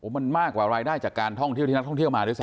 มันมากกว่ารายได้จากการท่องเที่ยวที่นักท่องเที่ยวมาด้วยซ